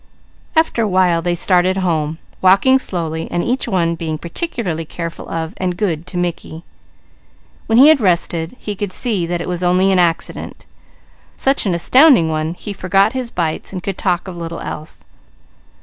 After a while they started home, walking slowly and each one being particularly careful of and good to Mickey. When he had rested, he could see that it was only an accident; such an astounding one he forgot his bites and could talk of little else.